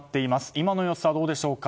今の様子はどうでしょうか。